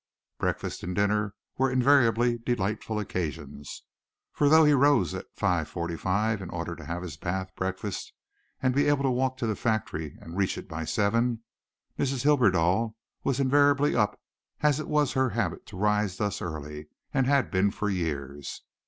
Breakfast and dinner were invariably delightful occasions, for though he rose at five forty five in order to have his bath, breakfast, and be able to walk to the factory and reach it by seven, Mrs. Hibberdell was invariably up, as it was her habit to rise thus early, had been so for years.